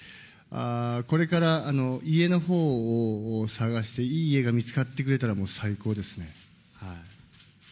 これから家のほうを探して、いい家が見つかってくれたら最高ですね。